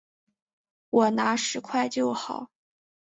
我拿十块就好